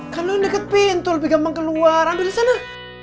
kan lu yang deket pintu lebih gampang keluar ambil disana